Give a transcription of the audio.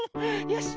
よし！